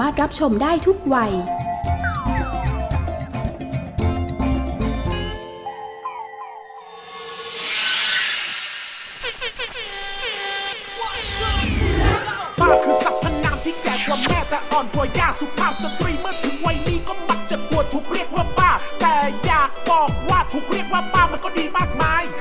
แต่อยากบอกว่าถูกเรียกว่าป้ามันก็ดีมากมาย